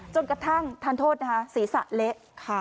กระทั่งทานโทษนะคะศีรษะเละค่ะ